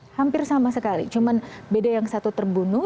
hampir sama sekali cuma beda yang satu terbunuh